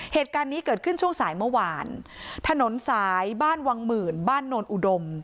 เหตุการณ์นี้เกิดขึ้นช่วงสายเมื่อวานถนนสายบ้านวังหมื่นบ้านโนนอุดม